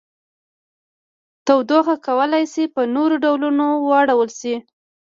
تودوخه کولی شي په نورو ډولونو واړول شي.